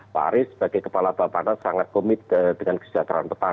pak arief sebagai kepala bapak pana sangat komit dengan kesejahteraan kita